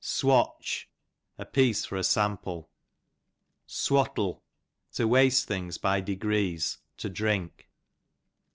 Swatch, a piece for a sample. Swattle, to waste things by degrees, to drink.